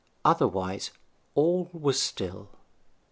Otherwise all was still.